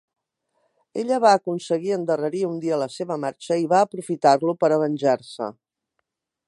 Ella va aconseguir endarrerir un dia la seva marxa i va aprofitar-lo per a venjar-se.